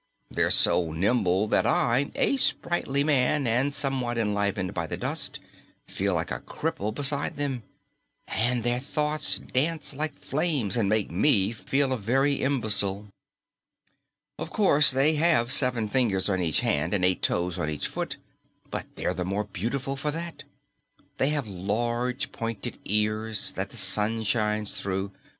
They're so nimble that I a sprightly man and somewhat enlivened by the dust feel like a cripple beside them. And their thoughts dance like flames and make me feel a very imbecile. "Of course, they have seven fingers on each hand and eight toes on each foot, but they're the more beautiful for that. They have large pointed ears that the Sun shines through.